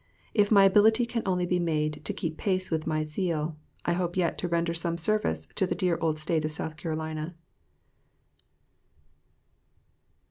If my ability can only be made to keep pace with my zeal, I hope yet to render some service to the dear old State of South Carolina.